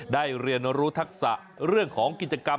ได้เรียนรู้ทักษะเรื่องของกิจกรรม